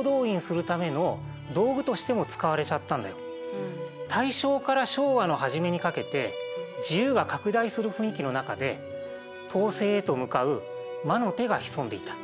実際大正から昭和の初めにかけて自由が拡大する雰囲気の中で統制へと向かう魔の手が潜んでいた。